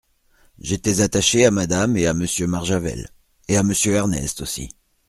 J’étais attachée à madame et à Monsieur Marjavel ! et à Monsieur Ernest aussi.